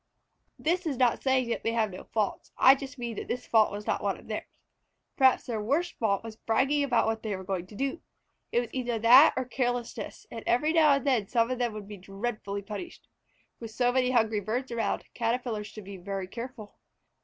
This is not saying that they have no faults. It just means that this fault was not one of theirs. Perhaps their worst fault was bragging about what they were going to do. It was either that or carelessness, and every now and then some one of them would be dreadfully punished. With so many hungry birds around, Caterpillars should be very careful.